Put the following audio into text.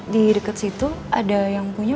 di dekat situ ada yang punya